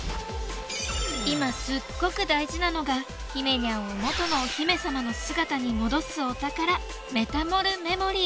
今すっごく大事なのがひめにゃんをもとのお姫様の姿に戻すお宝メタモルメモリー。